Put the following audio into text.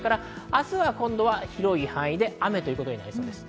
明日は広い範囲で雨ということになります。